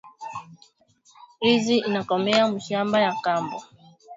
Ndizi inakomea mumashamba ya kambo